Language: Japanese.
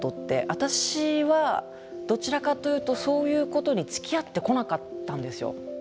私はどちらかというとそういうことにつきあってこなかったんですよ。